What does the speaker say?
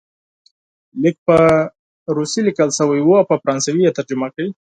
لیک په روسي لیکل شوی وو او په فرانسوي یې ترجمه کړ.